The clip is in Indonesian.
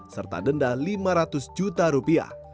serta denda lima ratus juta rupiah